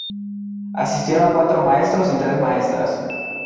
Asistieron cuatro maestros y tres maestras.